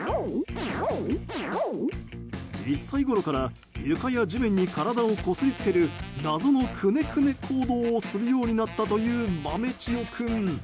１歳ごろから床や地面に体をこすりつける謎のクネクネ行動をするようになったという豆千代君。